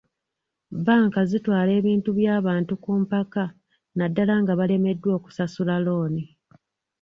Bbanka zitwala ebintu by'abantu ku mpaka naddala nga balemereddwa okusasula looni.